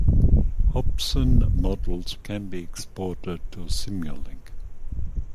Hopsan models can be exported to Simulink.